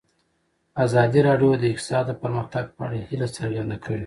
ازادي راډیو د اقتصاد د پرمختګ په اړه هیله څرګنده کړې.